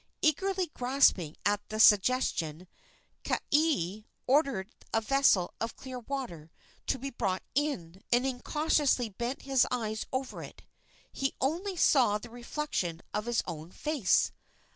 Eagerly grasping at the suggestion, Kaea ordered a vessel of clear water to be brought in, and incautiously bent his eyes over it. He saw only the reflection of his own face.